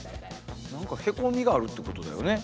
なんかへこみがあるってことだよね。